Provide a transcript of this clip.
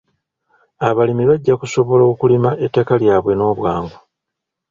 Abalimi bajja kusobola okulima ettaka lyabwe n'obwangu.